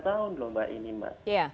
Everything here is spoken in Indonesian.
sembilan tahun lho mbak ini mas